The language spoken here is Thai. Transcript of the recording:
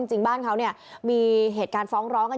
จริงบ้านเขาเนี่ยมีเหตุการณ์ฟ้องร้องกัน